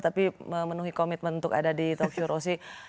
tapi memenuhi komitmen untuk ada di tokyo roshi